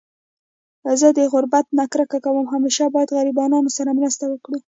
زه د غربت نه کرکه کوم .همیشه باید غریبانانو سره مرسته وکړو